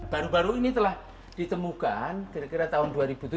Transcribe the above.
baru baru ini telah ditemukan kira kira tahun dua ribu tujuh belas